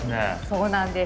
そうなんです。